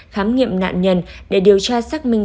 khám nghiệm nạn nhân để điều tra xác minh